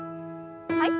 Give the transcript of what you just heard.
はい。